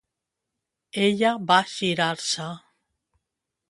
Ella va girar-se.